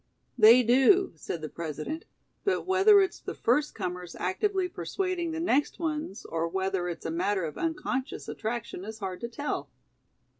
"They do," said the President, "but whether it's the first comers actively persuading the next ones or whether it's a matter of unconscious attraction is hard to tell."